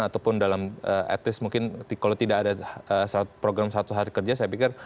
ataupun dalam etnis mungkin kalau tidak ada program satu hari kerja saya pikir